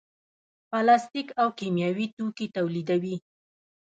پلاستیک او کیمیاوي توکي تولیدوي.